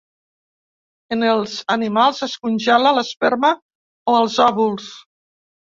En els animals es congela l'esperma o els òvuls.